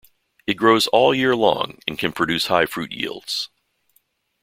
It grows all year long and can produce high fruit yields.